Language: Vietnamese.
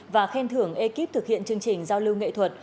và khen thưởng ekip thực hiện chương trình giao lưu nghệ thuật